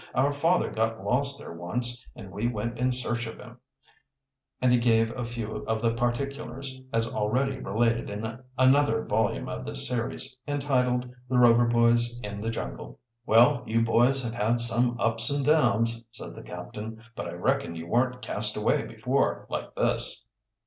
"Our father got lost there once, and we went in search of him," and he gave a few of the particulars, as already related in another volume of this series, entitled "The Rover Boys in the Jungle." "Well, you boys have had some ups and downs," said the captain. "But I reckon you weren't cast away before like this."